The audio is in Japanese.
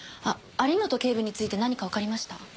あっ有本警部について何かわかりました？